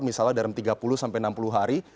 misalnya dalam tiga puluh sampai enam puluh hari